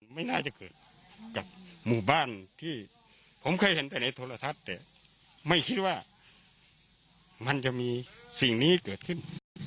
ไม่น่าจะเกิดจากหมู่บ้านที่ผมเคยเห็นแต่ในโทรทัศน์แต่ไม่คิดว่ามันจะมีสิ่งนี้เกิดขึ้น